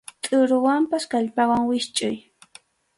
Tʼuruwanpas kallpawan wischʼuy.